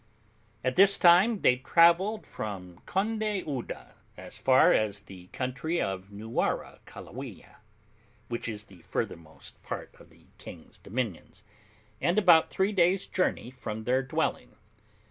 At this time they travelled from Conde Uda as far as the country of Nuwarakalawiya, which is the furthermost part of the king's dominions, and about three days' journey from their dwelling.